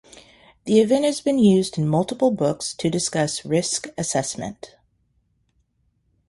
The event has been used in multiple books to discuss risk assessment.